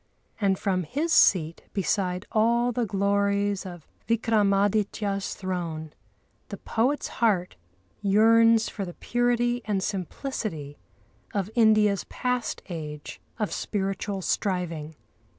And from his seat beside all the glories of Vikramâditya's throne the poet's heart yearns for the purity and simplicity of India's past age of spiritual striving.